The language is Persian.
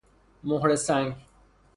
مهره سنگ